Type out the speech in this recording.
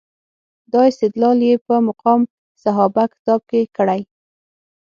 دا استدلال یې په مقام صحابه کتاب کې کړی.